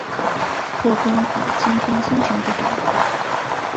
或刚好今天心情不好？